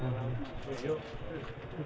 nggak parah air laut